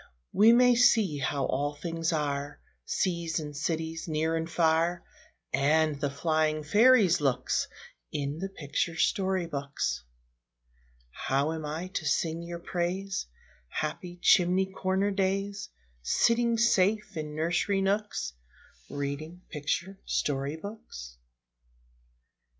We may see how all things are, Seas and cities, near and far, And the flying fairies' looks, In the picture story books. How am I to sing your praise, Happy chimney corner days, Sitting safe in nursery nooks, Reading picture story books?